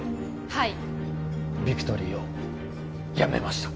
はいビクトリーを辞めました